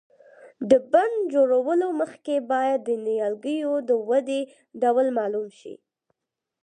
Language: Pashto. د بڼ جوړولو مخکې باید د نیالګیو د ودې ډول معلوم شي.